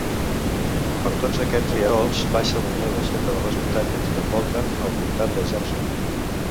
Per tots aquests rierols baixa la neu desfeta de les muntanyes que envolten el comtat de Jackson.